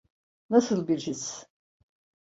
Nasıl bir his?